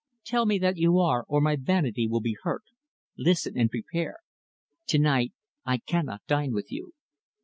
Tell me that you are, or my vanity will be hurt. Listen and prepare. To night I cannot dine with you."